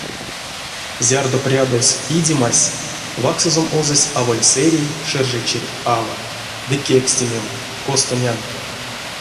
Зярдо прядовсь идемась, ваксозом озась аволь сэрей, шержей черь ава ды кевкстимим, костонян.